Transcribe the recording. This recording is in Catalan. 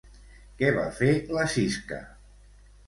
Què va fer la Sisca?